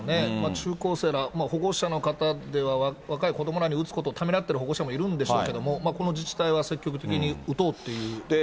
中高生ら、保護者の方では若い子どもらに打つことをためらっている保護者もいるんでしょうけど、この自治体は積極的に打とうっていう。